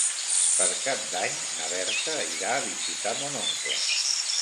Per Cap d'Any na Berta irà a visitar mon oncle.